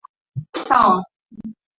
nza baadhi ya vitamani hasa vitamini a